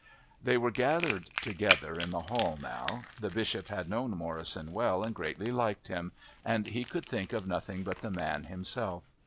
They were gathered together in the hall now. The Bishop had known Morrison well and greatly liked him, and he could think of nothing but the man himself.